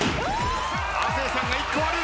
亜生さんが１個割る。